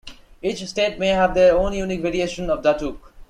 Each state may have their own unique variation of "Datuk".